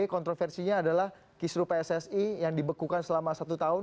kontroversinya adalah kisru pssi yang dibekukan selama satu tahun